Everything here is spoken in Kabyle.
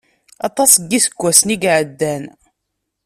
Aṭas n iseggasen i ɛeddan.